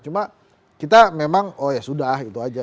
cuma kita memang oh ya sudah itu aja